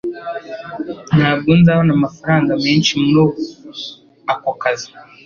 Ntabwo nzabona amafaranga menshi muri ako kazi. (